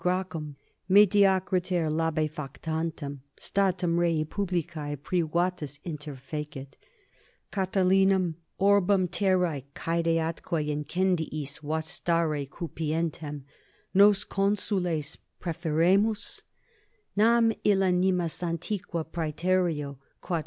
Gracchum, mediocriter labefactantem statum rei publicae, privatus interfecit: Catilinam, orbem terrae caede atque incendiis vastare cupientem, nos consules perferemus? Nam illa nimis antiqua praetereo, quod C.